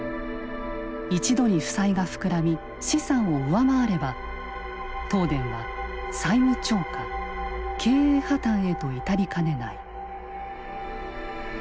一度に負債が膨らみ資産を上回れば東電は債務超過経営破綻へと至りかねない。